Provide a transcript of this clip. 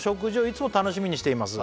「いつも楽しみにしています」